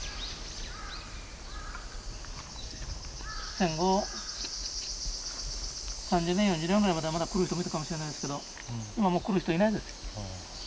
戦後３０年４０年ぐらいまではまだ来る人もいたかもしれないですけど今はもう来る人いないです。